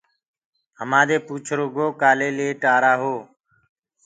همآ دي پوڇرو گو ڪآلي ليٽ آرآ هو۔